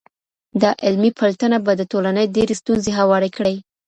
دا علمي پلټنه به د ټولني ډېرې ستونزي هوارې کړي.